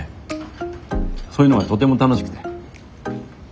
そういうのがとても楽しくて。